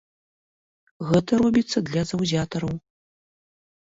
Гэта робіцца для заўзятараў.